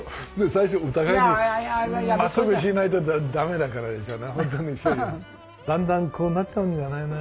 最初だんだんこうなっちゃうんじゃないの？